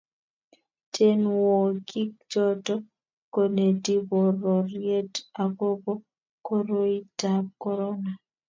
Tienwokik choto koneti pororiet agobo koroitab korona